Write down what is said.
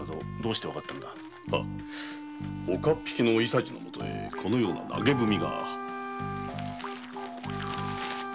岡っ引きの伊三次のもとへこのような投げ文が。